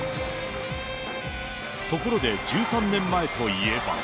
ところで、１３年前といえば。